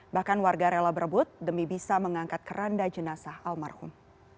bahkan warga rela berebut demi bisa mengangkat keranda jenazah almarhum